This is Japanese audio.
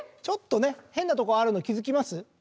ちょっとね変なとこあるの気付きます？